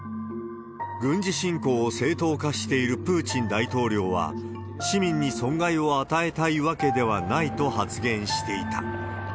軍事侵攻を正当化しているプーチン大統領は、市民に損害を与えたいわけではないと発言していた。